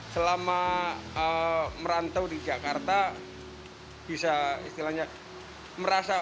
selama merantau di jakarta bisa istilahnya merasa